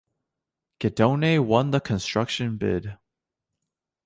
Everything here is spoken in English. Guidone won the construction bid.